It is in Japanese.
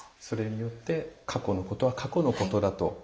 それによって過去のことは過去のことだと。